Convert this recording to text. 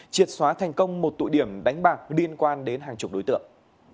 triệt xóa thành công một tụ điểm đánh bạc liên quan đến hàng chục đối tượng